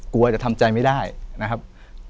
กลัวจะทำใจไม่ได้นะครับ